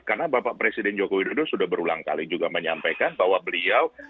karena bapak presiden joko widodo sudah berulang kali juga menyampaikan bahwa beliau menginginkan